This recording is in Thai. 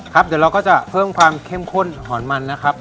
เดี๋ยวเราก็จะเพิ่มความเข้มข้นหอนมันนะครับ